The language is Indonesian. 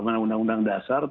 untuk undang undang dasar